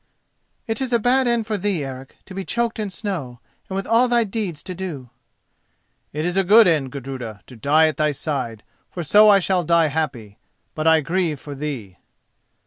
"It is a bad end for thee, Eric: to be choked in snow, and with all thy deeds to do." "It is a good end, Gudruda, to die at thy side, for so I shall die happy; but I grieve for thee."